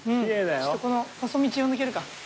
ちょっとこの細道を抜けるか。